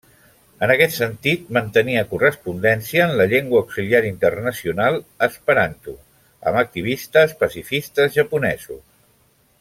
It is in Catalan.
En aquest sentit, mantenia correspondència en la llengua auxiliar internacional esperanto amb activistes pacifistes japonesos.